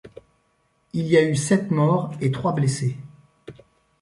Il y a eu sept morts et trois blessés.